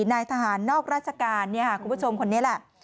นายทหารนอกราชการพี่ผู้ชมคนนี้คนเนี่ยแหละ